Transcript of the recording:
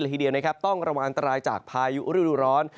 พื้นที่ละทีเดียวต้องกระวังตรายจากพายุฤดูร้อน